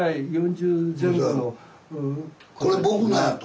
「これ僕のや」と。